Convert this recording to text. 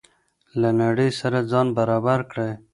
له نړۍ سره ځان برابر کړئ.